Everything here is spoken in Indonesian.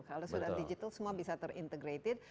kalau sudah digital semua bisa terintegrated